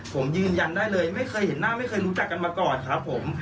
ผมยืนยันได้เลยไม่เคยเห็นหน้าไม่เคยรู้จักกันมาก่อนครับผม